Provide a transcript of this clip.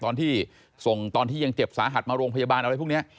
ตอนที่ยังเจ็บสาหัสมาโรงพยาบาลอะไรพวกนี้